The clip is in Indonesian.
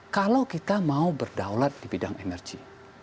kalau kita mau berdaulat di bidang energi